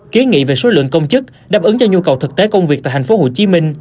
kiến nghị về số lượng công chức đáp ứng cho nhu cầu thực tế công việc tại tp hcm